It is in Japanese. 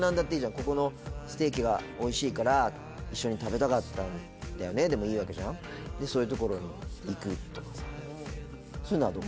「ここのステーキがおいしいから」「一緒に食べたかったんだよね」でもいいわけじゃんそういうところに行くとかさそういうのはどう？